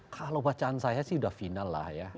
kalau bacaan saya sih sudah final lah ya